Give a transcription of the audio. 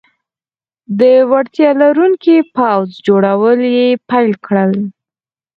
د وړتیا لرونکي پوځ جوړول یې پیل کړل.